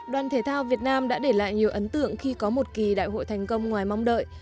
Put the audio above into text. đoàn thể thao việt nam đã để lại nhiều ấn tượng khi có một kỳ đại hội thành công ngoài mong đợi